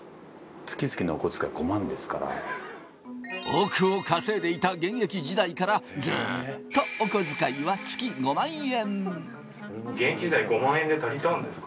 億を稼いでいた現役時代から、ずっとお小遣いは月５万円。